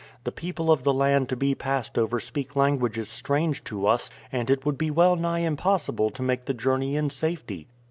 The people of the land to be passed over speak languages strange to us, and it would be well nigh impossible to make the journey in safety.